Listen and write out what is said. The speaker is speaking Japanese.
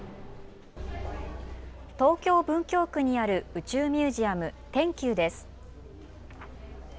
東京文京区にある宇宙ミュージアム、ＴｅＮＱです。